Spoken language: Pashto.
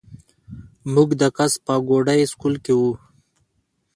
مونږ د کس پاګوړۍ سکول کښې وو